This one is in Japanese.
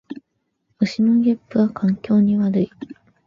牛のげっぷは環境に悪い